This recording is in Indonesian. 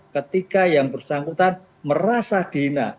ketika yang bersangkutan merasa dina